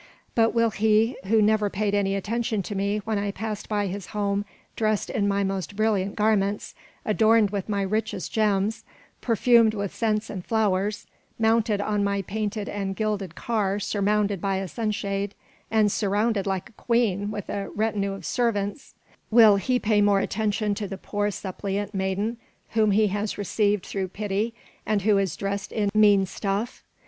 But will he, who never paid any attention to me when I passed by his home dressed in my most brilliant garments, adorned with my richest gems, perfumed with scents and flowers, mounted on my painted and gilded car surmounted by a sunshade, and surrounded like a queen with a retinue of servants, will he pay more attention to the poor suppliant maiden whom he has received through pity and who is dressed in mean stuff?